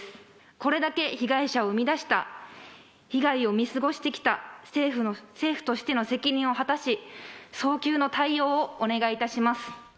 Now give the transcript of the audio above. これだけ被害者を生み出した、被害を見過ごしてきた、政府としての責任を果たし、早急の対応をお願いいたします。